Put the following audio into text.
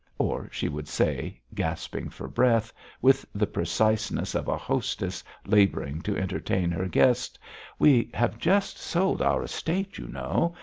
Or she would say, gasping for breath, with the preciseness of a hostess labouring to entertain her guest: "We have just sold our estate, you know.